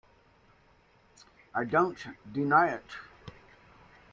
I don’t deny it.